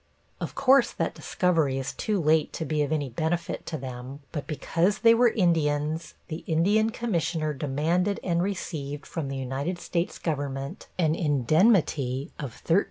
Of course that discovery is too late to be of any benefit to them, but because they were Indians the Indian Commissioner demanded and received from the United States Government an indemnity of $13,000.